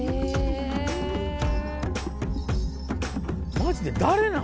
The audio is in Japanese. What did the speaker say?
マジで誰なん？